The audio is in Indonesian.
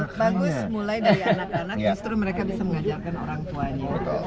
ya bagus mulai dari anak anak justru mereka bisa mengajarkan orang tuanya